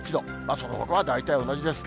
そのほかは大体同じです。